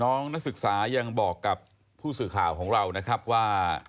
นักศึกษายังบอกกับผู้สื่อข่าวของเรานะครับว่า